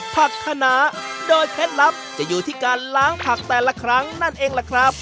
คณะโดยเคล็ดลับจะอยู่ที่การล้างผักแต่ละครั้งนั่นเองล่ะครับ